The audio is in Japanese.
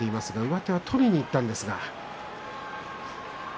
上手は取りにいったんですが。